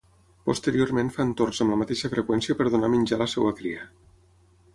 Posteriorment fan torns amb la mateixa freqüència per donar menjar a la seva cria.